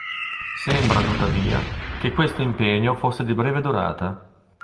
Sembra tuttavia che questo impegno fosse di breve durata.